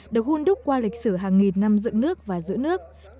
được hôn đúc qua lịch sử hàng nghìn năm dựng nước và giữ nước